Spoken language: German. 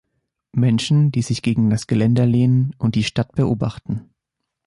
Menschen, die sich gegen das Geländer lehnen und die Stadt beobachten.